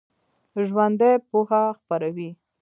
ژوندي پوهه خپروي